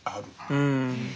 うん。